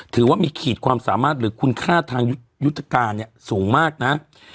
ถือว่ามีขีดความสามารถหรือคุณค่าทางยุทธการเนี่ยสูงมากนะ